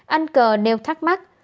anh cờ nêu thắc mắc